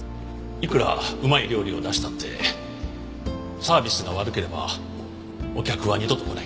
いくらうまい料理を出したってサービスが悪ければお客は二度と来ない。